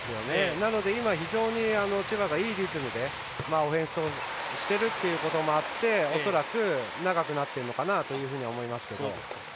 なので今非常に千葉がいいリズムでオフェンスをしているということもあって恐らく、長くなっているのかなと思いますけど。